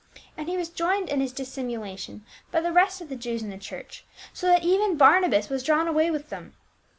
And he was joined in his dissimulation by the rest of the Jews in the church, so that even Barnabas was drawn away with them.